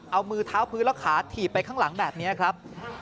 เอามือเท้าพื้นแล้วขาถีบไปข้างหลังแบบนี้ครับ